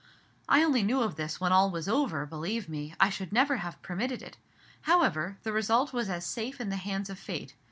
I only knew of this when all was over; believe me, I should never have permitted it. However, the result was as safe in the hands of Fate.